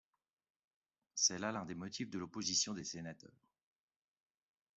C'est là l'un des motifs de l'opposition des sénateurs.